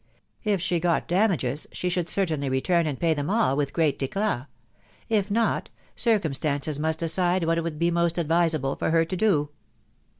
If she got damages, she should certainly return and 'u P*y them all with great idat ; if not .... circumstances ^ must decide what it would be most advisable for her to do.